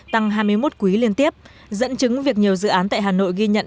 tăng hai mươi một quý liên tiếp dẫn chứng việc nhiều dự án tại hà nội ghi nhận